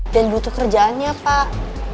dan butuh kerjaannya pak